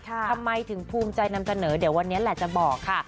ทำไมถึงภูมิใจนำเสนอเดี๋ยววันนี้แหละจะบอกค่ะ